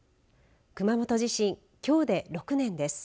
熊本地震、きょうで６年です。